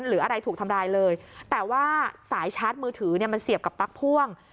หรืออะไรถูกทำร้ายเลยแต่ว่าสายชาร์จมือถือเนี่ยมันเสียบกับปลั๊กพ่วง